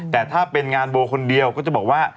แต่ถ้าเป็นงานโบคนเดียวก็จะบอกว่า